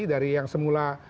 dari yang semula